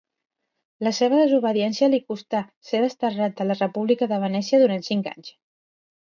La seva desobediència li costà ser desterrat de la República de Venècia durant cinc anys.